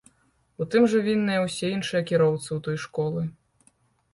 У тым жа вінныя ўсе іншыя кіроўцы ў той школы.